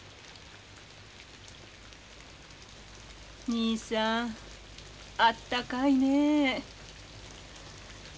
にいさんあったかいねえ。